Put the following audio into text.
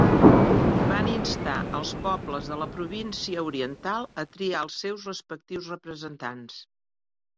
Van instar als pobles de la Província Oriental a triar els seus respectius representants.